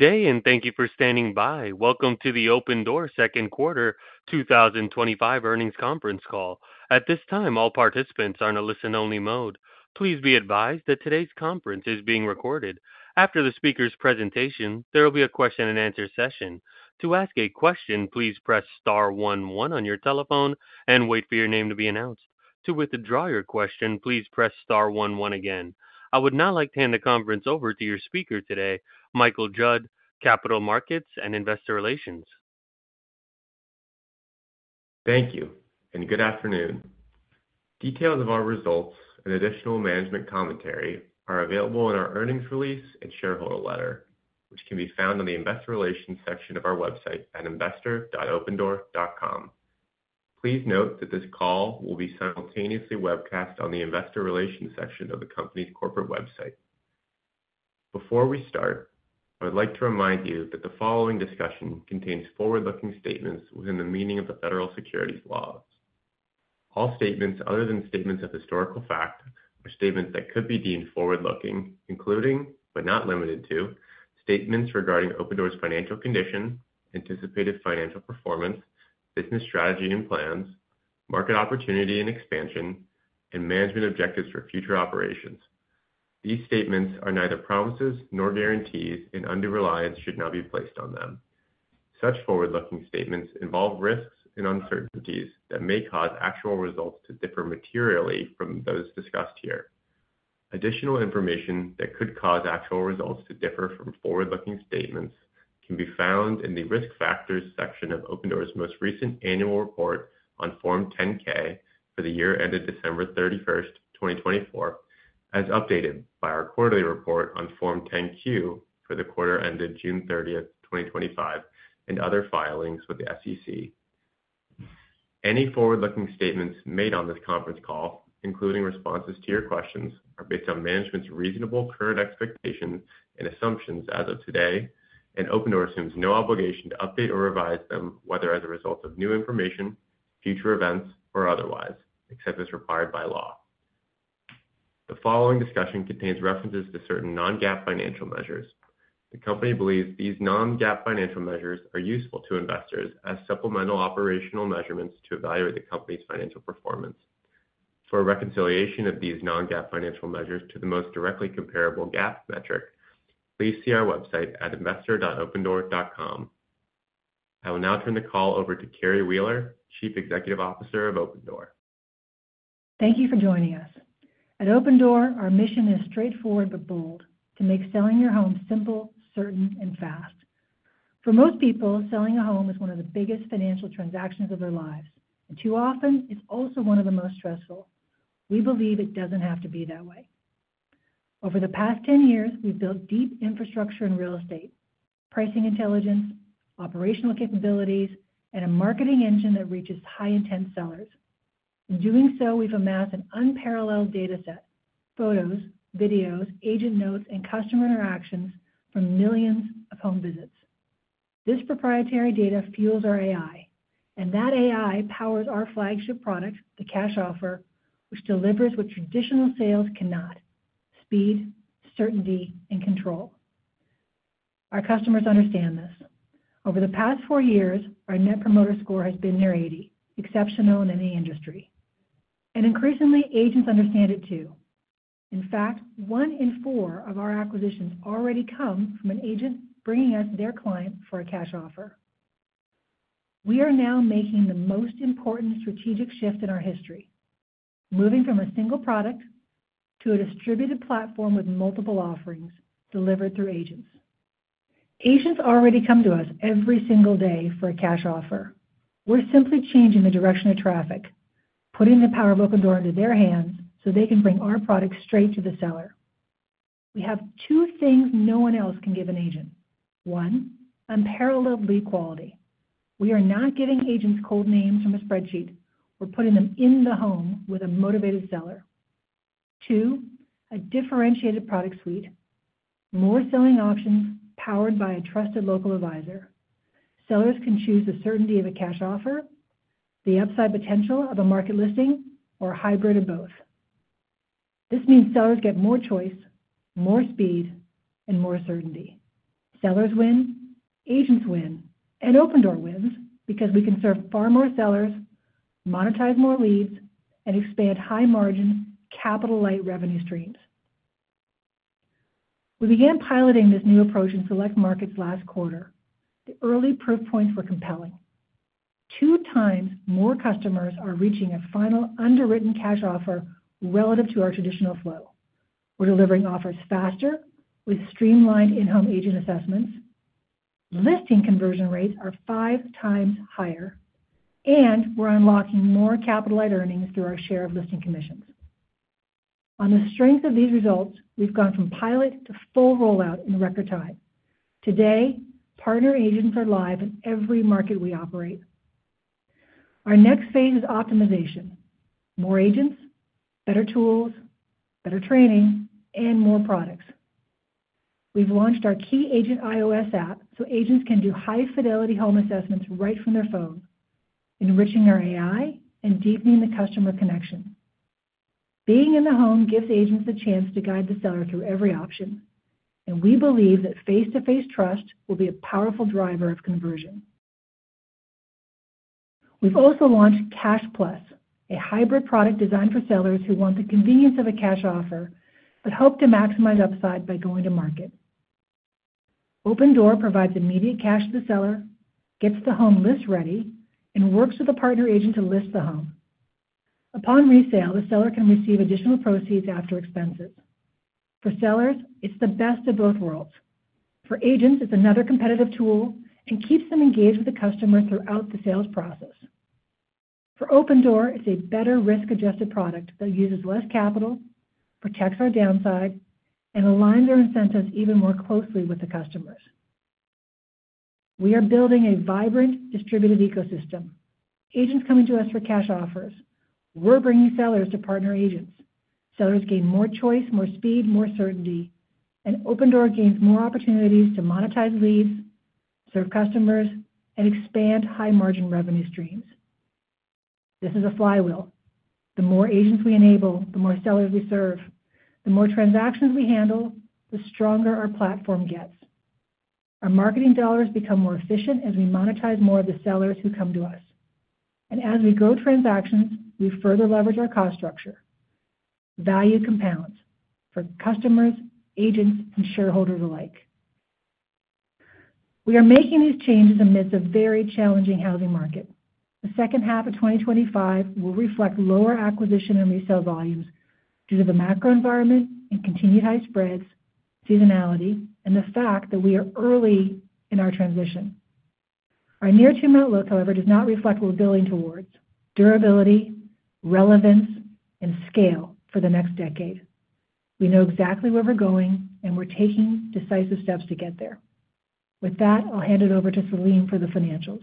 day and thank you for standing by. Welcome to the Opendoor Second Quarter 2025 Earnings Conference Call. At this time, all participants are in a listen-only mode. Please be advised that today's conference is being recorded. After the speaker's presentation, there will be a question-and-answer session. To ask a question, please press star one one on your telephone and wait for your name to be announced. To withdraw your question, please press star one one again. I would now like to hand the conference over to your speaker today, Michael Judd, Capital Markets and Investor Relations. Thank you, and good afternoon. Details of our results and additional management commentary are available in our earnings release and shareholder letter, which can be found on the Investor Relations section of our website at investor.opendoor.com. Please note that this call will be simultaneously webcast on the Investor Relations section of the company's corporate website. Before we start, I would like to remind you that the following discussion contains forward-looking statements within the meaning of the Federal Securities Laws. All statements other than statements of historical fact or statements that could be deemed forward-looking, including, but not limited to, statements regarding Opendoor's financial condition, anticipated financial performance, business strategy and plans, market opportunity and expansion, and management objectives for future operations. These statements are neither promises nor guarantees, and undue reliance should not be placed on them. Such forward-looking statements involve risks and uncertainties that may cause actual results to differ materially from those discussed here. Additional information that could cause actual results to differ from forward-looking statements can be found in the Risk Factors section of Opendoor's most recent annual report on Form 10-K for the year ended December 31, 2024, as updated by our quarterly report on Form 10-Q for the quarter ended June 30, 2025, and other filings with the SEC. Any forward-looking statements made on this conference call, including responses to your questions, are based on management's reasonable current expectations and assumptions as of today, and Opendoor assumes no obligation to update or revise them, whether as a result of new information, future events, or otherwise, except as required by law. The following discussion contains references to certain non-GAAP financial measures. The company believes these non-GAAP financial measures are useful to investors as supplemental operational measurements to evaluate the company's financial performance. For reconciliation of these non-GAAP financial measures to the most directly comparable GAAP metric, please see our website at investor.opendoor.com. I will now turn the call over to Carrie Wheeler, Chief Executive Officer of Opendoor. Thank you for joining us. At Opendoor, our mission is straightforward but bold: to make selling your home simple, certain, and fast. For most people, selling a home is one of the biggest financial transactions of their lives, and too often it's also one of the most stressful. We believe it doesn't have to be that way. Over the past 10 years, we've built deep infrastructure in real estate, pricing intelligence, operational capabilities, and a marketing engine that reaches high-intent sellers. In doing so, we've amassed an unparalleled dataset: photos, videos, agent notes, and customer interactions from millions of home visits. This proprietary data fuels our AI, and that AI powers our flagship product, the Cash Offer, which delivers what traditional sales cannot: speed, certainty, and control. Our customers understand this. Over the past four years, our Net Promoter Score has been near 80, exceptional in any industry. Increasingly, agents understand it too. In fact, one in four of our acquisitions already come from an agent bringing us their client for a cash offer. We are now making the most important strategic shift in our history, moving from a single product to a distributed platform with multiple offerings delivered through agents. Agents already come to us every single day for a cash offer. We're simply changing the direction of traffic, putting the power of Opendoor into their hands so they can bring our product straight to the seller. We have two things no one else can give an agent: one, unparalleled lead quality. We are not giving agents cold names from a spreadsheet. We're putting them in the home with a motivated seller. Two, a differentiated product suite, more selling options powered by a trusted local advisor. Sellers can choose the certainty of a cash offer, the upside potential of a market listing, or a hybrid of both. This means sellers get more choice, more speed, and more certainty. Sellers win, agents win, and Opendoor wins because we can serve far more sellers, monetize more leads, and expand high-margin, capital-light revenue streams. We began piloting this new approach in select markets last quarter. The early proof points were compelling. 2x more customers are reaching a final underwritten cash offer relative to our traditional flow. We're delivering offers faster, with streamlined in-home agent assessments. Listing conversion rates are 5x higher, and we're unlocking more capital-light earnings through our share of listing commissions. On the strength of these results, we've gone from pilot to full rollout in record time. Today, partner agents are live in every market we operate. Our next phase is optimization: more agents, better tools, better training, and more products. We've launched our Key Agent iOS app so agents can do high-fidelity home assessments right from their phone, enriching our AI and deepening the customer connection. Being in the home gives agents the chance to guide the seller through every option, and we believe that face-to-face trust will be a powerful driver of conversion. We've also launched Cash Plus, a hybrid product designed for sellers who want the convenience of a cash offer but hope to maximize upside by going to market. Opendoor provides immediate cash to the seller, gets the home list ready, and works with a partner agent to list the home. Upon resale, the seller can receive additional proceeds after expenses. For sellers, it's the best of both worlds. For agents, it's another competitive tool and keeps them engaged with the customer throughout the sales process. For Opendoor, it's a better risk-adjusted product that uses less capital, protects our downside, and aligns our incentives even more closely with the customers. We are building a vibrant distributed ecosystem. Agents coming to us for cash offers. We're bringing sellers to partner agents. Sellers gain more choice, more speed, more certainty, and Opendoor gains more opportunities to monetize leads, serve customers, and expand high-margin revenue streams. This is a flywheel. The more agents we enable, the more sellers we serve, the more transactions we handle, the stronger our platform gets. Our marketing dollars become more efficient as we monetize more of the sellers who come to us. As we grow transactions, we further leverage our cost structure. Value compounds for customers, agents, and shareholders alike. We are making these changes amidst a very challenging housing market. The second half of 2025 will reflect lower acquisition and resale volumes due to the macro environment and continued high spreads, seasonality, and the fact that we are early in our transition. Our near two-month look, however, does not reflect what we're building towards: durability, relevance, and scale for the next decade. We know exactly where we're going, and we're taking decisive steps to get there. With that, I'll hand it over to Selim for the financials.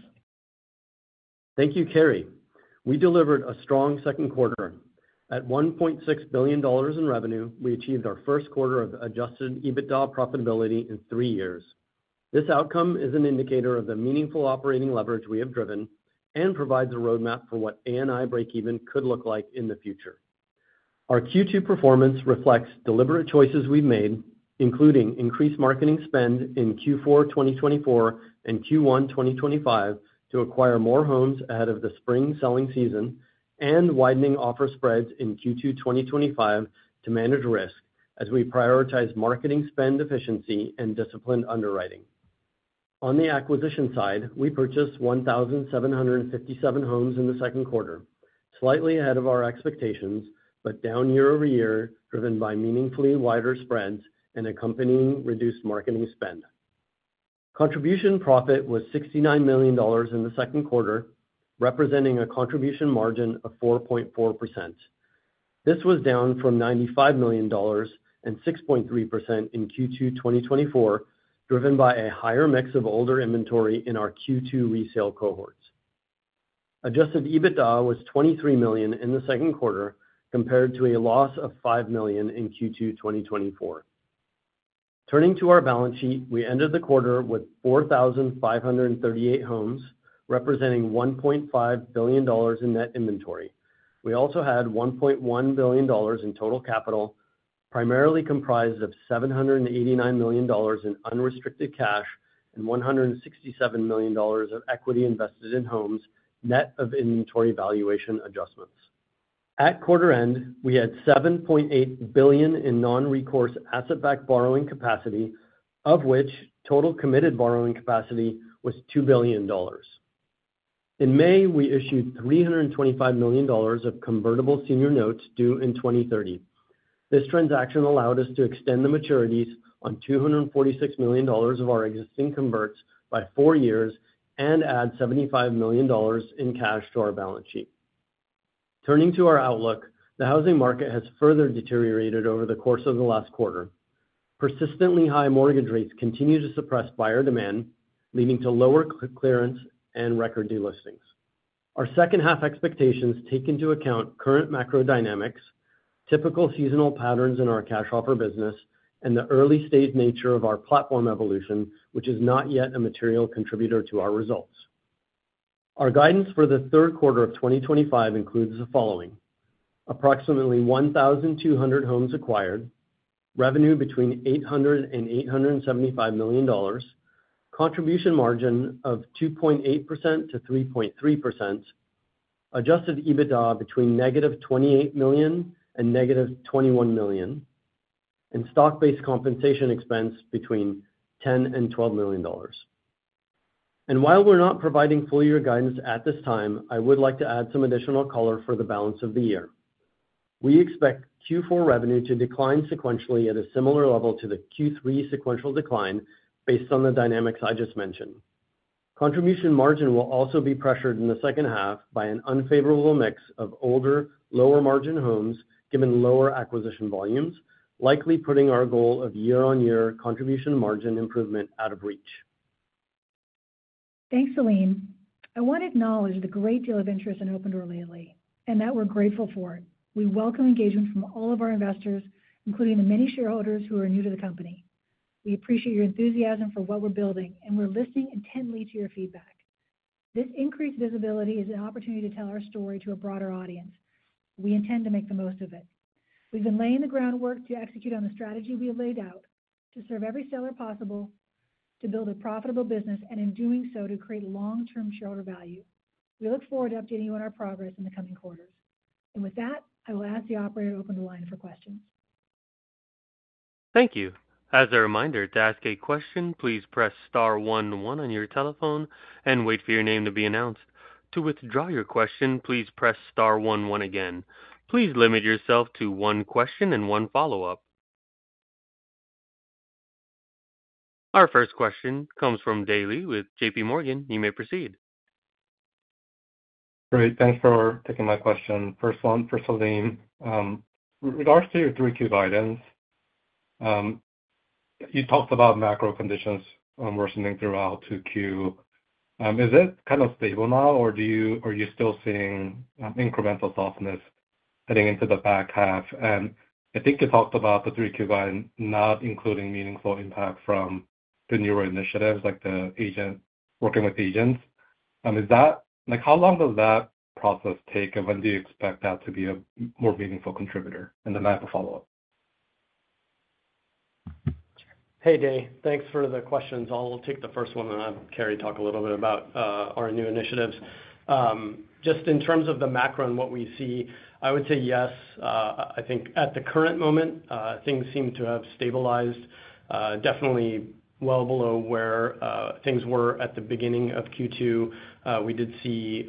Thank you, Carrie. We delivered a strong second quarter. At $1.6 billion in revenue, we achieved our first quarter of adjusted EBITDA profitability in three years. This outcome is an indicator of the meaningful operating leverage we have driven and provides a roadmap for what A&I breakeven could look like in the future. Our Q2 performance reflects deliberate choices we've made, including increased marketing spend in Q4 2024 and Q1 2025 to acquire more homes ahead of the spring selling season, and widening offer spreads in Q2 2025 to manage risk as we prioritize marketing spend efficiency and disciplined underwriting. On the acquisition side, we purchased 1,757 homes in the second quarter, slightly ahead of our expectations, but down year-over-year, driven by meaningfully wider spreads and accompanying reduced marketing spend. Contribution profit was $69 million in the second quarter, representing a contribution margin of 4.4%. This was down from $95 million and 6.3% in Q2 2024, driven by a higher mix of older inventory in our Q2 resale cohorts. Adjusted EBITDA was $23 million in the second quarter, compared to a loss of $5 million in Q2 2024. Turning to our balance sheet, we ended the quarter with 4,538 homes, representing $1.5 billion in net inventory. We also had $1.1 billion in total capital, primarily comprised of $789 million in unrestricted cash and $167 million of equity invested in homes, net of inventory valuation adjustments. At quarter end, we had $7.8 billion in non-recourse asset-backed borrowing capacity, of which total committed borrowing capacity was $2 billion. In May, we issued $325 million of convertible senior notes due in 2030. This transaction allowed us to extend the maturities on $246 million of our existing converts by four years and add $75 million in cash to our balance sheet. Turning to our outlook, the housing market has further deteriorated over the course of the last quarter. Persistently high mortgage rates continue to suppress buyer demand, leading to lower clearance and record new listings. Our second half expectations take into account current macro dynamics, typical seasonal patterns in our cash offer business, and the early-stage nature of our platform evolution, which is not yet a material contributor to our results. Our guidance for the third quarter of 2025 includes the following: approximately 1,200 homes acquired, revenue between $800 million and $875 million, contribution margin of 2.8%-3.3%, adjusted EBITDA between negative $28 million and negative $21 million, and stock-based compensation expense between $10 million and $12 million. While we're not providing full year guidance at this time, I would like to add some additional color for the balance of the year. We expect Q4 revenue to decline sequentially at a similar level to the Q3 sequential decline based on the dynamics I just mentioned. Contribution margin will also be pressured in the second half by an unfavorable mix of older, lower margin homes given lower acquisition volumes, likely putting our goal of year-on-year contribution margin improvement out of reach. Thanks, Selim. I want to acknowledge the great deal of interest in Opendoor lately, and that we're grateful for it. We welcome engagement from all of our investors, including the many shareholders who are new to the company. We appreciate your enthusiasm for what we're building, and we're listening intently to your feedback. This increased visibility is an opportunity to tell our story to a broader audience. We intend to make the most of it. We've been laying the groundwork to execute on the strategy we have laid out to serve every seller possible, to build a profitable business, and in doing so, to create long-term shareholder value. We look forward to updating you on our progress in the coming quarters. I will ask the operator to open the line for questions. Thank you. As a reminder, to ask a question, please press star one one on your telephone and wait for your name to be announced. To withdraw your question, please press star one one again. Please limit yourself to one question and one follow-up. Our first question comes from Dae Lee with JPMorgan. You may proceed. Great. Thanks for taking my question. First one for Selim. In regards to your Q3 guidance, you talked about macro conditions worsening throughout Q2. Is it kind of stable now, or are you still seeing incremental softness heading into the back half? I think you talked about the Q3 guidance not including meaningful impact from the newer initiatives like the agent partnership. Is that, how long does that process take, and when do you expect that to be a more meaningful contributor in the line of follow-up? Hey, Dae. Thanks for the questions. I'll take the first one, and I'll have Carrie talk a little bit about our new initiatives. In terms of the macro and what we see, I would say yes. I think at the current moment, things seem to have stabilized, definitely well below where things were at the beginning of Q2. We did see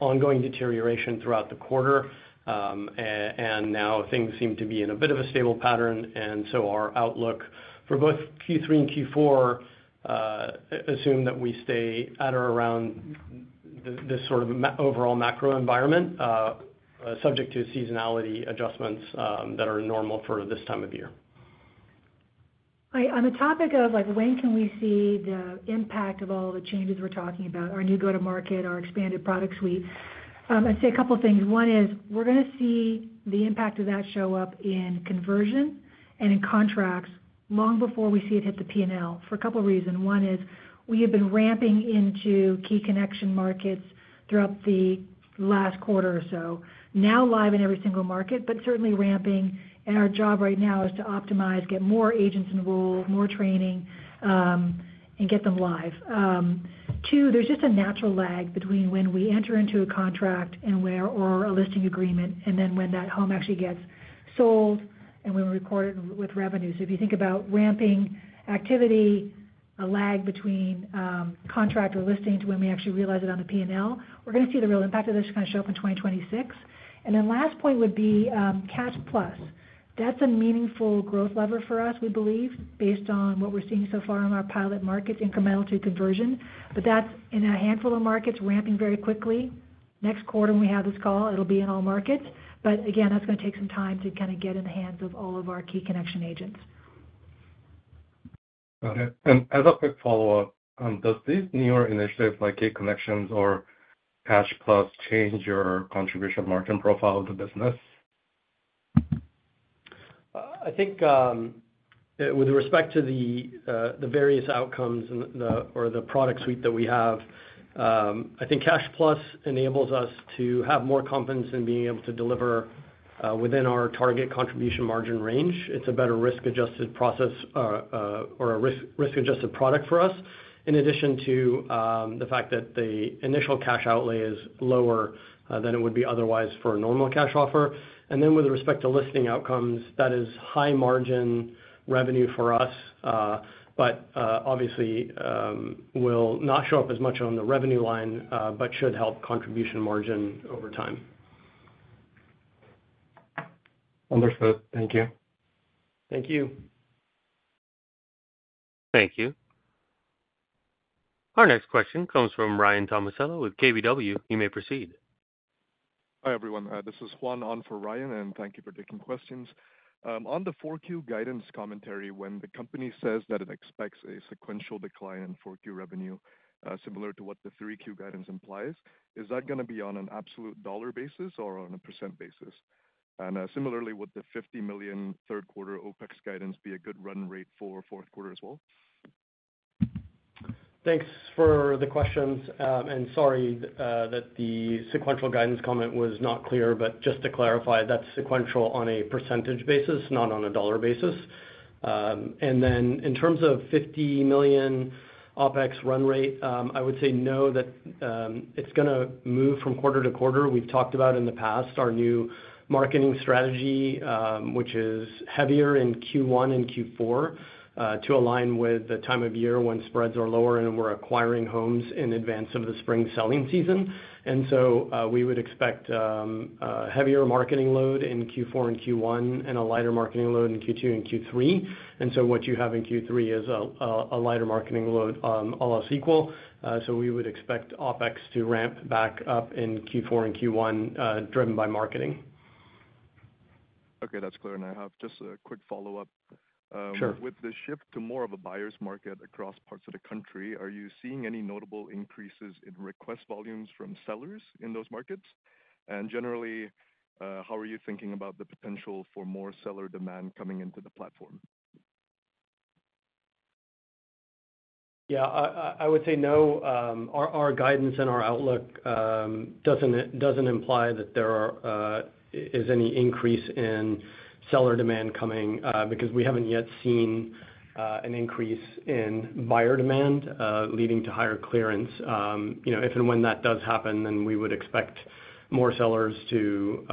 ongoing deterioration throughout the quarter, and now things seem to be in a bit of a stable pattern. Our outlook for both Q3 and Q4 assumes that we stay at or around this sort of overall macro environment, subject to seasonality adjustments that are normal for this time of year. On the topic of, like, when can we see the impact of all the changes we're talking about, our new go-to-market, our expanded product suite, I'd say a couple of things. One is we're going to see the impact of that show up in conversion and in contracts long before we see it hit the P&L for a couple of reasons. One is we have been ramping into key connection markets throughout the last quarter or so, now live in every single market, but certainly ramping. Our job right now is to optimize, get more agents enrolled, more training, and get them live. Two, there's just a natural lag between when we enter into a contract or a listing agreement, and then when that home actually gets sold and when we record it with revenue. If you think about ramping activity, a lag between contract or listing to when we actually realize it on the P&L, we're going to see the real impact of this is going to show up in 2026. The last point would be Cash Plus. That's a meaningful growth lever for us, we believe, based on what we're seeing so far in our pilot markets, incremental to conversion. That's in a handful of markets ramping very quickly. Next quarter, when we have this call, it'll be in all markets. Again, that's going to take some time to kind of get in the hands of all of our key connection agents. Got it. As a quick follow-up, do these newer initiatives like Key Connections or Cash Plus change your contribution margin profile of the business? I think with respect to the various outcomes or the product suite that we have, I think Cash Plus enables us to have more confidence in being able to deliver within our target contribution margin range. It's a better risk-adjusted process or a risk-adjusted product for us, in addition to the fact that the initial cash outlay is lower than it would be otherwise for a normal cash offer. With respect to listing outcomes, that is high margin revenue for us, but obviously will not show up as much on the revenue line, but should help contribution margin over time. Understood. Thank you. Thank you. Thank you. Our next question comes from Ryan Tomasello with KBW. You may proceed. Hi, everyone. This is Juan on for Ryan, and thank you for taking questions. On the fourth quarter guidance commentary, when the company says that it expects a sequential decline in fourth quarter revenue, similar to what the third quarter guidance implies, is that going to be on an absolute dollar basis or on a percentage basis? Similarly, would the $50 million third quarter OpEx guidance be a good run rate for fourth quarter as well? Thanks for the questions. Sorry that the sequential guidance comment was not clear, but just to clarify, that's sequential on a percentage basis, not on a dollar basis. In terms of the $50 million OpEx run rate, I would say no, that it's going to move from quarter to quarter. We've talked about in the past our new marketing strategy, which is heavier in Q1 and Q4 to align with the time of year when spreads are lower and we're acquiring homes in advance of the spring selling season. We would expect a heavier marketing load in Q4 and Q1, and a lighter marketing load in Q2 and Q3. What you have in Q3 is a lighter marketing load all else equal. We would expect OpEx to ramp back up in Q4 and Q1, driven by marketing. Okay, that's clear. I have just a quick follow-up. Sure. With the shift to more of a buyer's market across parts of the country, are you seeing any notable increases in request volumes from sellers in those markets? Generally, how are you thinking about the potential for more seller demand coming into the platform? I would say no. Our guidance and our outlook doesn't imply that there is any increase in seller demand coming because we haven't yet seen an increase in buyer demand leading to higher clearance. If and when that does happen, we would expect more sellers to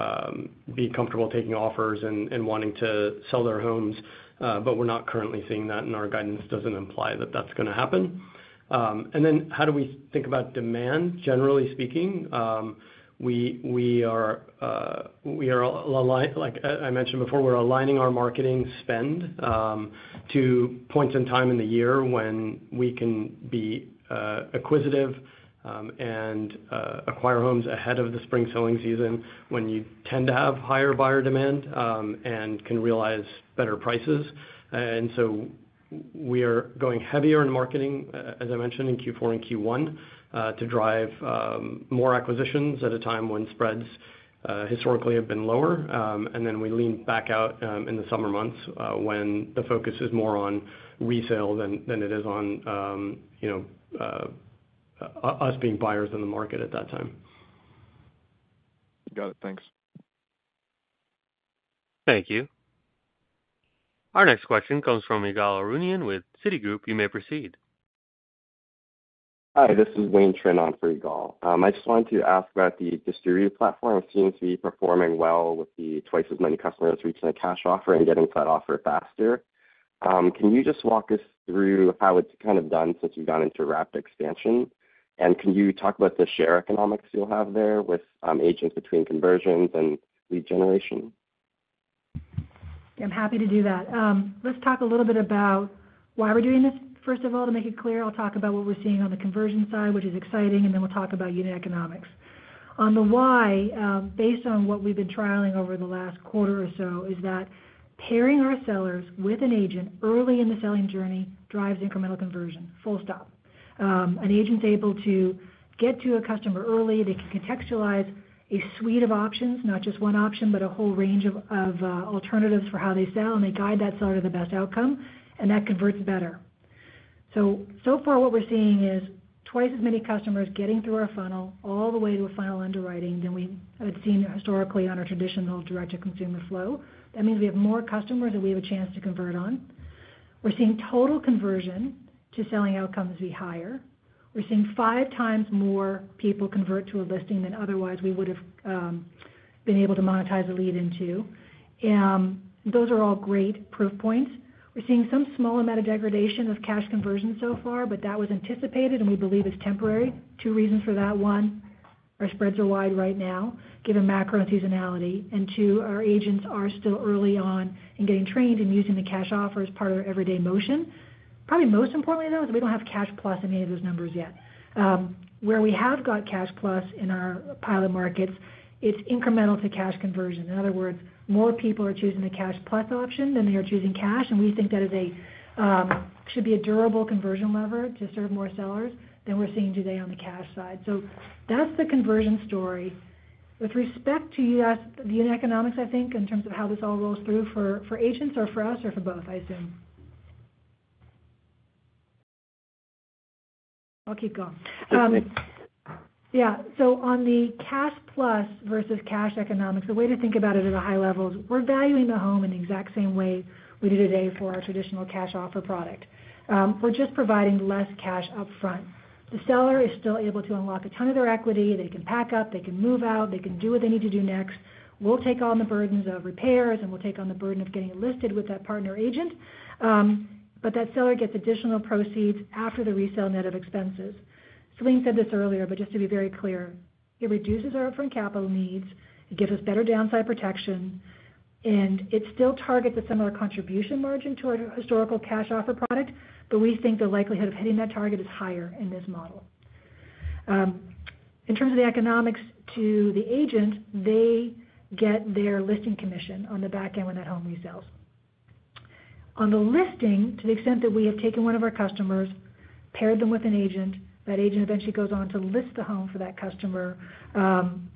be comfortable taking offers and wanting to sell their homes. We're not currently seeing that, and our guidance doesn't imply that that's going to happen. How do we think about demand, generally speaking? Like I mentioned before, we're aligning our marketing spend to points in time in the year when we can be acquisitive and acquire homes ahead of the spring selling season when you tend to have higher buyer demand and can realize better prices. We are going heavier in marketing, as I mentioned, in Q4 and Q1 to drive more acquisitions at a time when spreads historically have been lower. We lean back out in the summer months when the focus is more on resale than it is on us being buyers in the market at that time. Got it. Thanks. Thank you. Our next question comes from Ygal Arounian with Citigroup. You may proceed. Hi, this is Wayne Trinh on for Ygal. I just wanted to ask about the distributed platform. It seems to be performing well with twice as many customers reaching a cash offer and getting that offer faster. Can you just walk us through how it's kind of done since you've gone into rapid expansion? Can you talk about the share economics you'll have there with agents between conversions and lead generation? I'm happy to do that. Let's talk a little bit about why we're doing this. First of all, to make it clear, I'll talk about what we're seeing on the conversion side, which is exciting, and then we'll talk about unit economics. On the why, based on what we've been trialing over the last quarter or so, is that pairing our sellers with an agent early in the selling journey drives incremental conversion. Full stop. An agent's able to get to a customer early. They can contextualize a suite of options, not just one option, but a whole range of alternatives for how they sell, and they guide that seller to the best outcome, and that converts better. So far, what we're seeing is twice as many customers getting through our funnel all the way to a final underwriting than we have seen historically on our traditional direct-to-consumer flow. That means we have more customers that we have a chance to convert on. We're seeing total conversion to selling outcomes be higher. We're seeing 5x more people convert to a listing than otherwise we would have been able to monetize a lead into. Those are all great proof points. We're seeing some small amount of degradation of cash conversion so far, but that was anticipated, and we believe it's temporary. Two reasons for that: one, our spreads are wide right now, given macro and seasonality; and two, our agents are still early on in getting trained and using the cash offer as part of their everyday motion. Probably most importantly, though, is that we don't have Cash Plus in any of those numbers yet. Where we have got Cash Plus in our pilot markets, it's incremental to cash conversion. In other words, more people are choosing the Cash Plus option than they are choosing cash, and we think that should be a durable conversion lever to serve more sellers than we're seeing today on the cash side. That's the conversion story. With respect to the unit economics, I think, in terms of how this all rolls through for agents or for us or for both, I assume. I'll keep going. That's good. Yeah. On the Cash Plus versus cash economics, the way to think about it at a high level is we're valuing the home in the exact same way we do today for our traditional cash offer product. We're just providing less cash upfront. The seller is still able to unlock a ton of their equity. They can pack up, move out, and do what they need to do next. We'll take on the burdens of repairs, and we'll take on the burden of getting it listed with that partner agent. That seller gets additional proceeds after the resale net of expenses. Selim said this earlier, but just to be very clear, it reduces our upfront capital needs. It gives us better downside protection. It still targets a similar contribution margin to our historical cash offer product, but we think the likelihood of hitting that target is higher in this model. In terms of the economics to the agents, they get their listing commission on the back end when that home resells. On the listing, to the extent that we have taken one of our customers, paired them with an agent, that agent eventually goes on to list the home for that customer.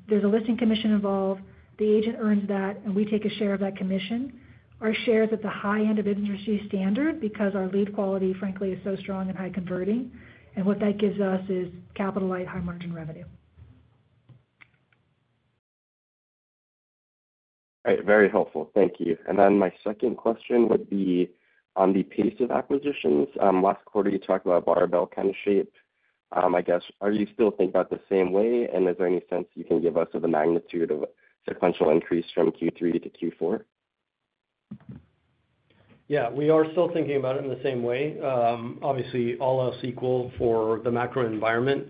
There's a listing commission involved. The agent earns that, and we take a share of that commission. Our share is at the high end of industry standard because our lead quality, frankly, is so strong and high converting. What that gives us is capital-light, high margin revenue. Very helpful. Thank you. My second question would be on the pace of acquisitions. Last quarter, you talked about barbell kind of shaped. I guess, are you still thinking about it the same way, and is there any sense you can give us of the magnitude of a potential increase from Q3 to Q4? Yeah, we are still thinking about it in the same way. Obviously, all else equal for the macro environment.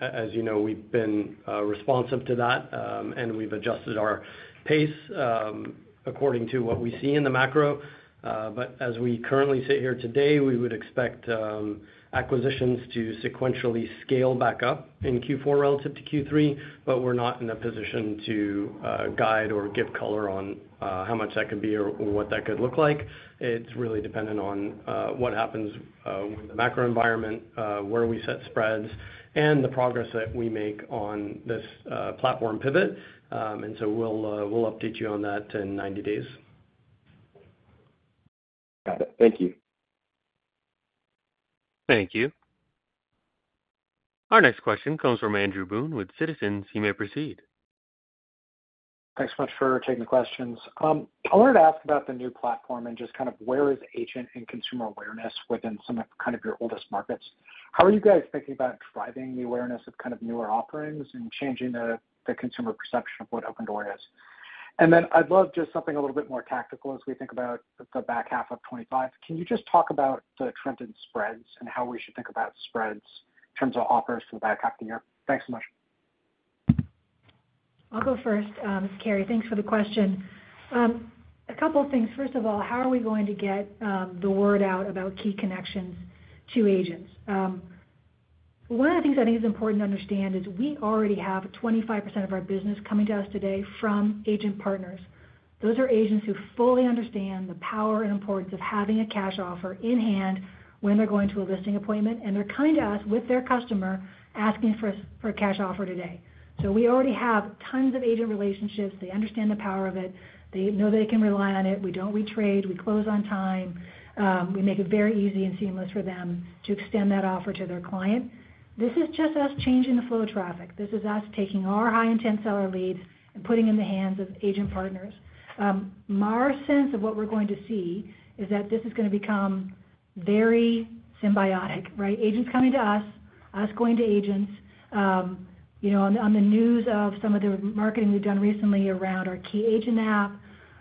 As you know, we've been responsive to that, and we've adjusted our pace according to what we see in the macro. As we currently sit here today, we would expect acquisitions to sequentially scale back up in Q4 relative to Q3, but we're not in a position to guide or give color on how much that could be or what that could look like. It is really dependent on what happens with the macro environment, where we set spreads, and the progress that we make on this platform pivot. We will update you on that in 90 days. Got it. Thank you. Thank you. Our next question comes from Andrew Boone with Citizens. You may proceed. Thanks so much for taking the questions. I wanted to ask about the new platform and just kind of where is agent and consumer awareness within some of kind of your oldest markets? How are you guys thinking about driving the awareness of kind of newer offerings and changing the consumer perception of what Opendoor is? I'd love just something a little bit more tactical as we think about the back half of 2025. Can you just talk about the trend in spreads and how we should think about spreads in terms of offers for the back half of the year? Thanks so much. I'll go first. This is Carrie. Thanks for the question. A couple of things. First of all, how are we going to get the word out about key connections to agents? One of the things I think is important to understand is we already have 25% of our business coming to us today from agent partners. Those are agents who fully understand the power and importance of having a cash offer in hand when they're going to a listing appointment, and they're coming to us with their customer asking for a cash offer today. We already have tons of agent relationships. They understand the power of it. They know they can rely on it. We don't retrade. We close on time. We make it very easy and seamless for them to extend that offer to their client. This is just us changing the flow of traffic. This is us taking our high-intent seller leads and putting them in the hands of agent partners. Our sense of what we're going to see is that this is going to become very symbiotic, right? Agents coming to us, us going to agents. On the news of some of the marketing we've done recently around our Key Agent app,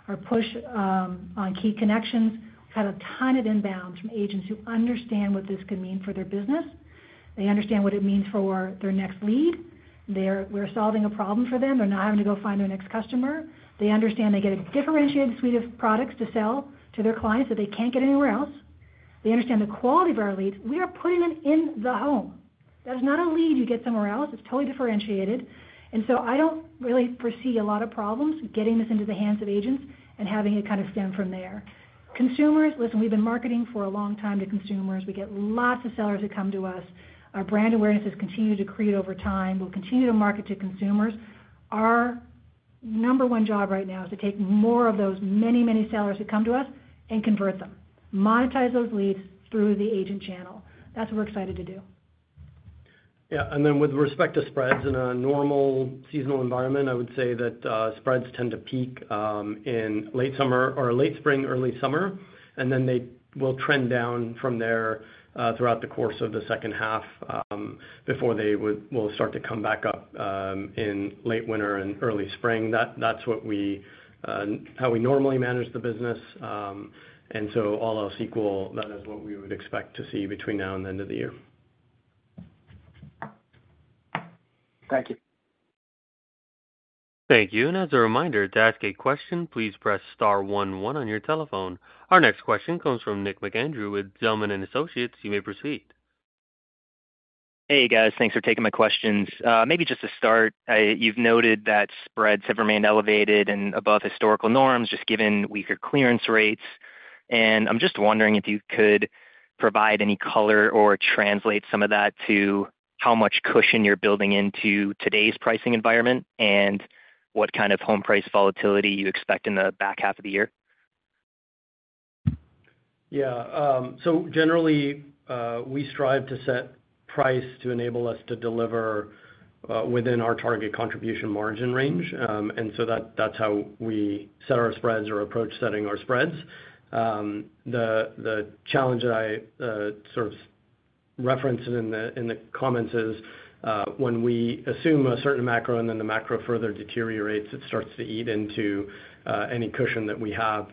our push on key connections, we've had a ton of inbound from agents who understand what this could mean for their business. They understand what it means for their next lead. We're solving a problem for them. They're not having to go find their next customer. They understand they get a differentiated suite of products to sell to their clients that they can't get anywhere else. They understand the quality of our leads. We are putting them in the home. That's not a lead you get somewhere else. It's totally differentiated. I don't really foresee a lot of problems getting this into the hands of agents and having it kind of stem from there. Consumers, listen, we've been marketing for a long time to consumers. We get lots of sellers that come to us. Our brand awareness has continued to creep over time. We'll continue to market to consumers. Our number one job right now is to take more of those many, many sellers who come to us and convert them, monetize those leads through the agent channel. That's what we're excited to do. With respect to spreads in a normal seasonal environment, I would say that spreads tend to peak in late spring, early summer, and then they will trend down from there throughout the course of the second half before they will start to come back up in late winter and early spring. That is how we normally manage the business. All else equal, that is what we would expect to see between now and the end of the year. Thank you. Thank you. As a reminder, to ask a question, please press star one one on your telephone. Our next question comes from Nick McAndrew with Zelman & Associates. You may proceed. Hey, guys. Thanks for taking my questions. Maybe just to start, you've noted that spreads have remained elevated and above historical norms just given weaker clearance rates. I'm just wondering if you could provide any color or translate some of that to how much cushion you're building into today's pricing environment and what kind of home price volatility you expect in the back half of the year. Yeah. Generally, we strive to set price to enable us to deliver within our target contribution margin range, and that's how we set our spreads or approach setting our spreads. The challenge that I sort of referenced in the comments is when we assume a certain macro and then the macro further deteriorates, it starts to eat into any cushion that we have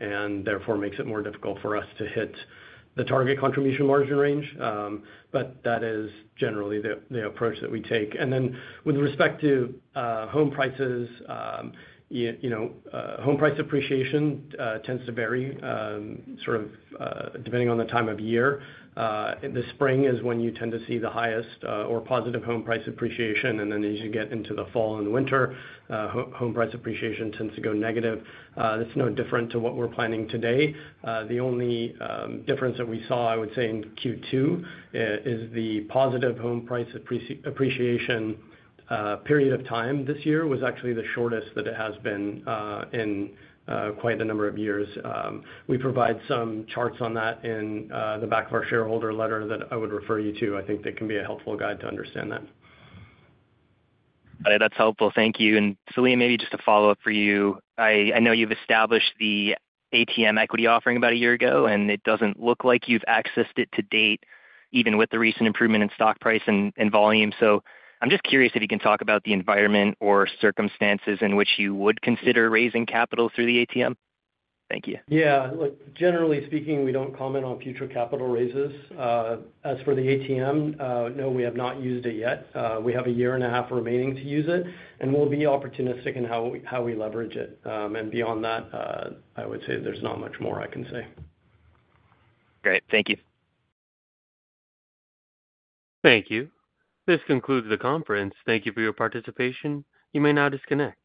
and therefore makes it more difficult for us to hit the target contribution margin range. That is generally the approach that we take. With respect to home prices, home price appreciation tends to vary sort of depending on the time of year. The spring is when you tend to see the highest or positive home price appreciation, and as you get into the fall and winter, home price appreciation tends to go negative. That's no different to what we're planning today. The only difference that we saw, I would say, in Q2 is the positive home price appreciation period of time this year was actually the shortest that it has been in quite a number of years. We provide some charts on that in the back of our shareholder letter that I would refer you to. I think that can be a helpful guide to understand that. That's helpful. Thank you. Selim, maybe just a follow-up for you. I know you've established the ATM equity offering about a year ago, and it doesn't look like you've accessed it to date, even with the recent improvement in stock price and volume. I'm just curious if you can talk about the environment or circumstances in which you would consider raising capital through the ATM. Thank you. Generally speaking, we don't comment on future capital raises. As for the ATM, no, we have not used it yet. We have a year and a half remaining to use it, and we'll be opportunistic in how we leverage it. Beyond that, I would say there's not much more I can say. Great, thank you. Thank you. This concludes the conference. Thank you for your participation. You may now disconnect.